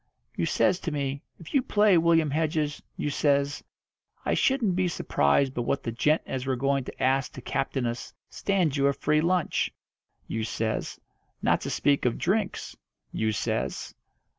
You says to me, 'If you play, William Hedges,' you says, 'I shouldn't be surprised but what the gent as we're going to ask to captain us stands you a free lunch,' you says, 'not to speak of drinks,' you says."